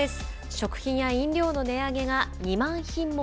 食品や飲料の値上げが２万品目